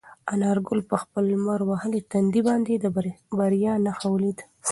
انارګل په خپل لمر وهلي تندي باندې د بریا نښه ولیده.